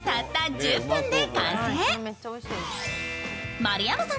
たった１０分で完成。